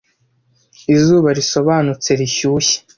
izuba risobanutse rishyushye